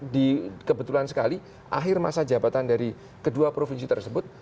di kebetulan sekali akhir masa jabatan dari kedua provinsi tersebut